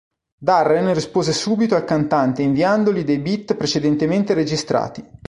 Darren rispose subito al cantante inviandogli dei beat precedentemente registrati.